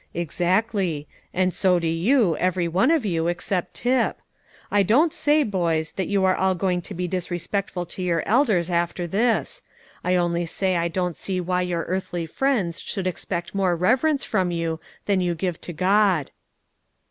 "Exactly; and so do you, every one of you, except Tip. I don't say, boys, that you are all going to be disrespectful to your elders after this; I only say I don't see why your earthly friends should expect more reverence from you than you give to God."